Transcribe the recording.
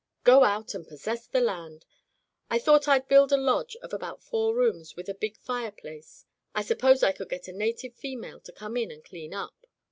*Go out and possess the land.' I thought Fd build a lodge of about four rooms with a big fireplace. I suppose I could get a native female to come in and clean up.